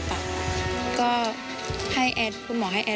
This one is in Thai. มีความรู้สึกว่า